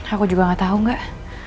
aku juga gak tau gak